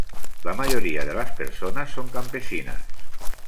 La mayoría de las personas son campesinas.